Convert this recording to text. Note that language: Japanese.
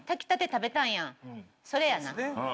それやな。